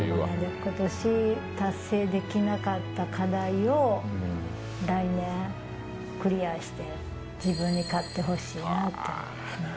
ことし達成できなかった課題を来年クリアして、自分に勝ってほしいなと思いますね。